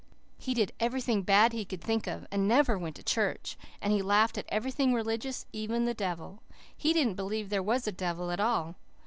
He did everything bad he could think of, and never went to church, and he laughed at everything religious, even the devil. He didn't believe there was a devil at all.